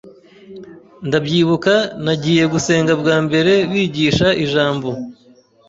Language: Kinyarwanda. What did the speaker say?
Ndabyibuka nagiye gusenga bwa mbere bigisha ijambo